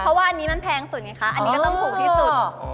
เพราะว่าอันนี้มันแพงสุดไงคะอันนี้ก็ต้องถูกที่สุด